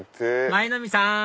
舞の海さん